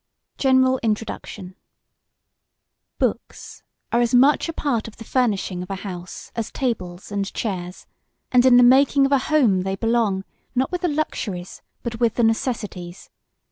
GENERAL INTRODUCTION Books are as much a part of the furnishing of a house as tables and chairs, and in the making of a home they belong, not with the luxuries but with the necessities.